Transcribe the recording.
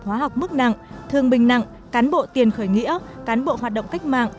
hóa học mức nặng thương bình nặng cán bộ tiền khởi nghĩa cán bộ hoạt động cách mạng